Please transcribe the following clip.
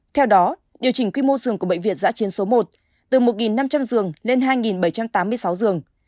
theo đó điều chỉnh quy mô giường của bệnh viện giã chiến số một từ một năm trăm linh giường lên hai bảy trăm tám mươi sáu giường